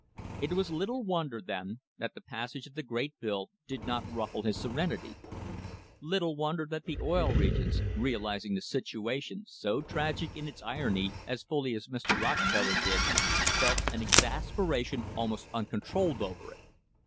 It was little wonder, then, that the passage of the great bill did not ruffle his serenity. Little wonder that the Oil Regions, realising the situation, so tragic in its irony, as fully as Mr. Rocke THE HISTORY OF THE STANDARD OIL COMPANY feller did, felt an exasperation almost uncontrolled over it.